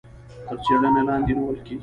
تر څيړنې لاندي نيول کېږي.